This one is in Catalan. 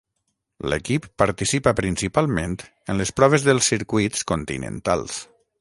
L'equip participa principalment en les proves dels circuits continentals.